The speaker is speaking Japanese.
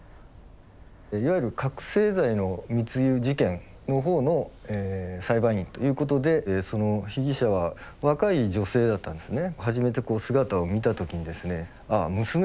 いわゆる覚醒剤の密輸事件の方の裁判員ということでその被疑者は若い女性だったんですね。